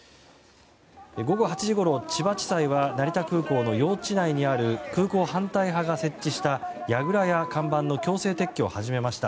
午後８時ごろ、千葉地裁は成田空港の用地内にある空港反対派が設置したやぐらや看板の強制撤去を始めました。